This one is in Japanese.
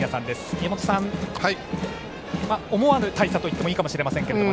宮本さん、思わぬ大差といっていいかもしれませんが。